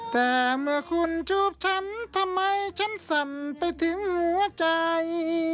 แต่เมื่อคุณจูบฉันทำไมฉันสั่นไปถึงหัวใจ